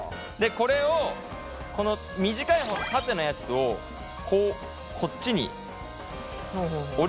これをこの短い方の縦のやつをこうこっちに折り込みます。